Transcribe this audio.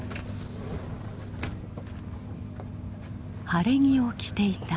晴れ着を着ていた。